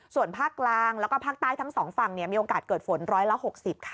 ส่วนภาคกลางแล้วก็ภาคใต้ทั้งสองฝั่งมีโอกาสเกิดฝนร้อยละ๖๐ค่ะ